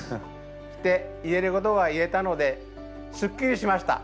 で言えることが言えたのですっきりしました。